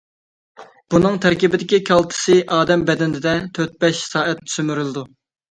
بۇنىڭ تەركىبىدىكى كالتسىي ئادەم بەدىنىدە تۆت، بەش سائەت سۈمۈرۈلىدۇ.